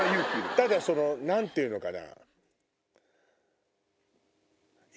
ただその何て言うのかな。